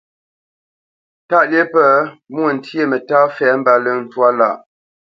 Tâʼ lyeʼ pə, mwô ntyê mətá fɛ̂ mbáləŋ twâ lâʼ.